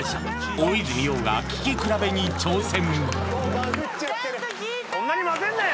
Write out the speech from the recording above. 大泉洋が聴き比べに挑戦！